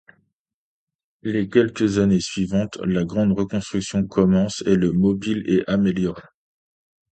Les quelques années suivantes, la grande reconstruction commence et le Mobile est amélioré.